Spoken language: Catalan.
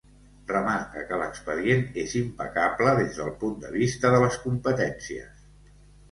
Remarca que l’expedient és impecable des del punt de vista de les competències.